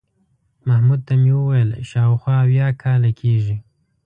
محمود ته مې وویل شاوخوا اویا کاله کېږي.